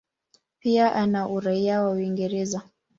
Pia ana uraia wa Uingereza.